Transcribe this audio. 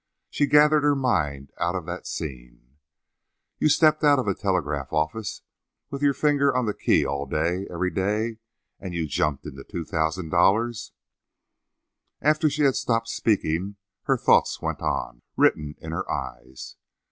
She gathered her mind out of that scene. "You stepped out of a telegraph office, with your finger on the key all day, every day, and you jumped into two thousand dollars?" After she had stopped speaking her thoughts went on, written in her eyes.